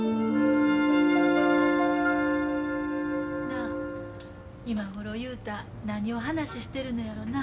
なあ今頃雄太何を話してるのやろな。